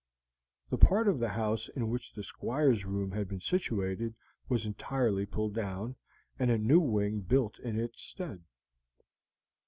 The part of the house in which the Squire's room had been situated was entirely pulled down, and a new wing built in its stead.